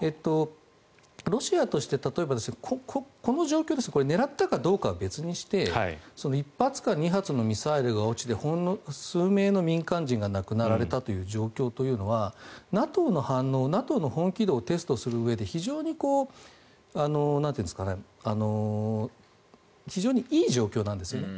ロシアとして例えば、この状況で狙ったかどうかは別にして１発か２発のミサイルが落ちてほんの数名の民間人が亡くなられたという状況というのはＮＡＴＯの反応、ＮＡＴＯの本気度をテストするうえで非常にいい状況なんですよね。